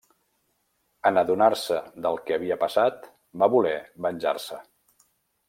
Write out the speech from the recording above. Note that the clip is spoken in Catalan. En adonar-se del que havia passat, va voler venjar-se.